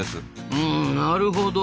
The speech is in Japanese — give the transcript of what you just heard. うんなるほど。